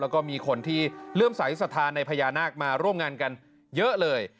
แล้วก็มีคนที่เริ่มสายศรีสถาในพญานาคมาร่วมงานกันเยอะเลย